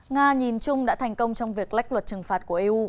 nga nhìn chung đã thành công trong việc lách luật trừng phạt của eu